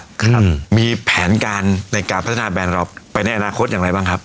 ครับมีแผนการในการพัฒนาแบรนด์เราไปในอนาคตอย่างไรบ้างครับ